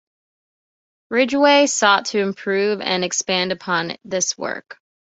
Ridgway sought to improve and expand upon this work.